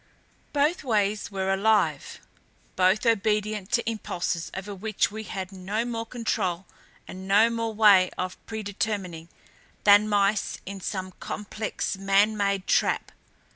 Both ways were ALIVE, both obedient to impulses over which we had no more control and no more way of predetermining than mice in some complex, man made trap.